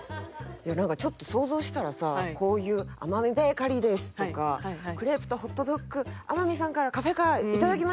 なんかちょっと想像したらさこういう「天海ベーカリーです！」とか「クレープとホットドッグ天海さんからカフェカー頂きました！」